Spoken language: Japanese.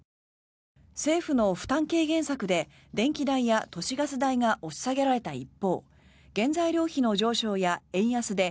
政府の負担軽減策で電気代や都市ガス代が押し下げられた一方原材料費の上昇や円安で